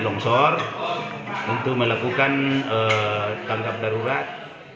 longsor untuk melakukan tangkap darurat